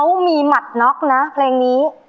อันนี้สุดขอแข่งต้น